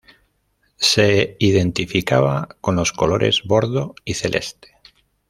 Se identificaba con los colores Bordo y Celeste.